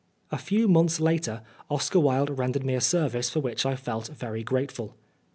A few months later, Oscar Wilde rendered me a service for which I felt very grateful.